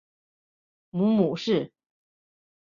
母母氏。